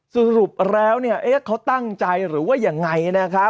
สรุปแล้วเนี่ยเขาตั้งใจหรือว่าอย่างไรนะครับ